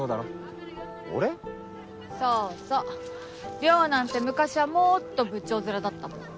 稜なんて昔はもーっと仏頂面だったもん。